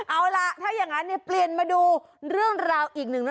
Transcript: เอาล่ะถ้าอย่างนั้นเปลี่ยนมาดูเรื่องราวอีกหนึ่งเรื่อง